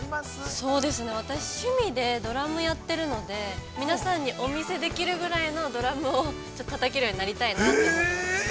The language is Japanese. ◆そうですね、私、趣味で、ドラム、やってるので、皆さんにお見せできるぐらいのドラムをちょっと、たたけるように、なりたいなと思っています。